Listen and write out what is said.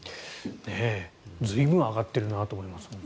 随分上がってるなと思いますね。